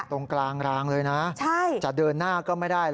ตรงกลางรางเลยนะจะเดินหน้าก็ไม่ได้